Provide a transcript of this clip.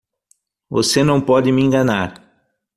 Você não pode me enganar!